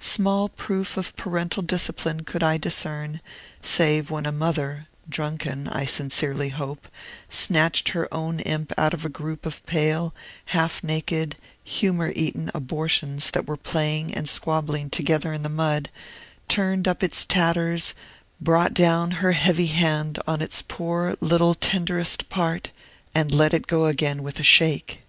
Small proof of parental discipline could I discern, save when a mother (drunken, I sincerely hope) snatched her own imp out of a group of pale, half naked, humor eaten abortions that were playing and squabbling together in the mud, turned up its tatters, brought down her heavy hand on its poor little tenderest part, and let it go again with a shake.